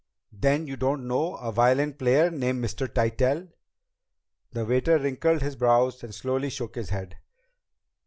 "Then you don't know a violin player named Mr. Tytell?" The waiter wrinkled his brows and slowly shook his head.